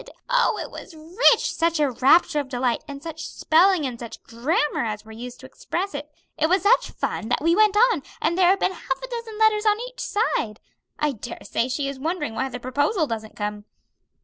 Oh, it was rich! such a rapture of delight; and such spelling and such grammar as were used to express it! It was such fun that we went on, and there have been half a dozen letters on each side. I daresay she is wondering why the proposal doesn't come.